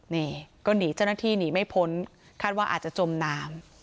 นี่ก็หนีเจ้าหน้าที่หนีไม่พ้นคาดว่าอาจจะจมน้ำ